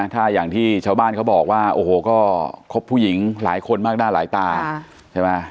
ถ้าอย่างที่ชาวบ้านเขาบอกว่าโอ้โหก็คบผู้หญิงหลายคนมากหน้าหลายตาใช่ไหม